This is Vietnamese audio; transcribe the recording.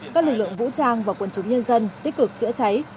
các lực lượng vũ trang và quân chúng nhân dân tích cực chữa cháy